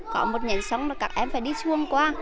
có một nhánh sông là các em phải đi xuông qua